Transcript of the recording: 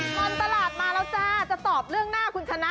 ตอนตลาดมาแล้วจ้าจะตอบเรื่องหน้าคุณชนะ